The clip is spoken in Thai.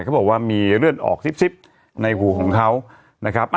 เขาบอกว่ามีเลือดออกซิบในหูของเขานะครับ